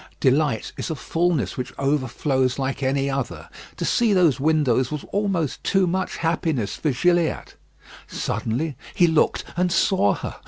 Delight is a fulness which overflows like any other. To see those windows was almost too much happiness for Gilliatt. Suddenly, he looked and saw her.